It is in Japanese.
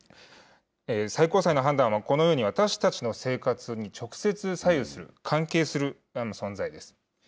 最高裁の判断は、このように、私たちの生活に直接左右する、関係する存在です。